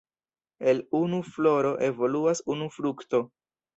El unu floro evoluas unu frukto.